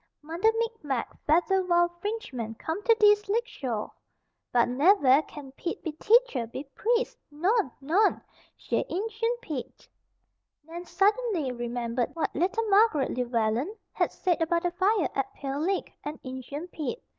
Mudder Micmac, fadder wild Frinchman come to dees lakeshore. But nev air can Pete be Teacher, be priest. Non, non! Jes' Injun Pete." Nan suddenly remembered what little Margaret Llewellen had said about the fire at Pale Lick, and "Injun Pete."